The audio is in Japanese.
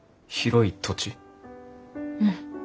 うん。